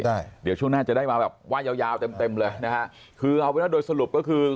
ใช่เดี๋ยวช่วงหน้าจะได้มาแบบว่ายาวยาวเต็มเต็มเลยนะฮะคือเอาเป็นว่าโดยสรุปก็คือ